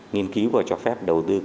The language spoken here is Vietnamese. nghiên cứu và cho phép đầu tư